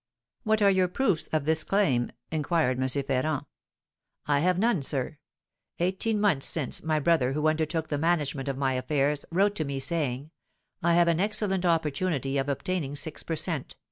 'What are your proofs of this claim?' inquired M. Ferrand. 'I have none, sir. Eighteen months since, my brother, who undertook the management of my affairs, wrote to me, saying, "I have an excellent opportunity of obtaining six per cent.